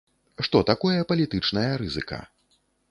Што такое палітычная рызыка?